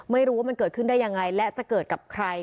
ไม่รู้ว่ามันเกิดขึ้นได้ยังไงและจะเกิดกับใคร